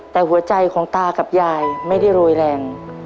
แต่หัวใจของตากับยายไม่ได้โรยแรง